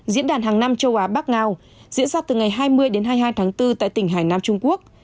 diễn đàn hàng năm châu á bắc ngao diễn ra từ ngày hai mươi đến hai mươi hai tháng bốn tại tỉnh hải nam trung quốc